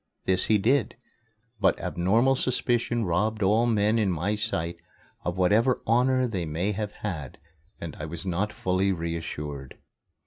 This he did. But abnormal suspicion robbed all men in my sight of whatever honor they may have had, and I was not fully reassured.